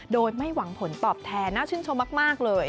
โดยไม่หวังผลตอบแทนน่าชื่นชมมากเลย